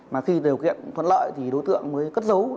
mà khi điều kiện thuận lợi thì đối tượng mới cất dấu